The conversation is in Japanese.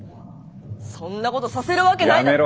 そんなことさせるわけないだろ。